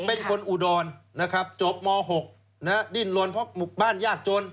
เป็นคนอุดรนะครับจบม๖ดิ้นลนเพราะหมู่บ้านยากจน